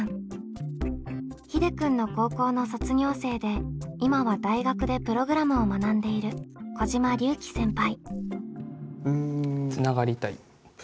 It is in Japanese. ひでくんの高校の卒業生で今は大学でプログラムを学んでいる小嶋龍輝先輩。